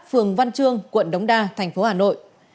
phường văn trương quận đống đa thành phố hà nội